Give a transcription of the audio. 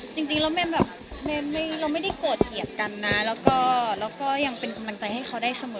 จริงแล้วเมย์แบบเราไม่ได้โกรธเกลียดกันนะแล้วก็ยังเป็นกำลังใจให้เขาได้เสมอ